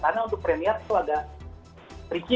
karena untuk premiere itu agak tricky